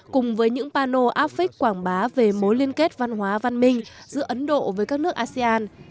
cùng với những pano áp vích quảng bá về mối liên kết văn hóa văn minh giữa ấn độ với các nước asean